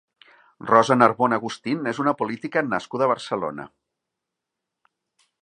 Rosa Narbona Agustín és una política nascuda a Barcelona.